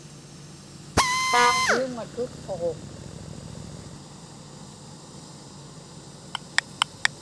kiuŋa tutquġuŋ